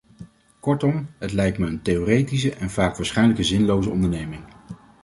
Kortom, het lijkt me een theoretische en vaak waarschijnlijk zinloze onderneming.